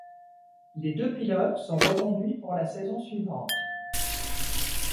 Les deux pilotes sont reconduits pour la saison suivante.